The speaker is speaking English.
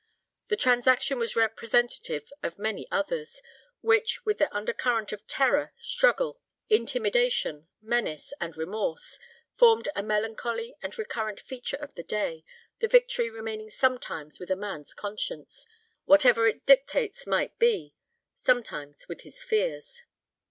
The transaction was representative of many others, which, with their undercurrent of terror, struggle, intimidation, menace, and remorse, formed a melancholy and recurrent feature of the day, the victory remaining sometimes with a man's conscience whatever it dictates might be sometimes with his fears.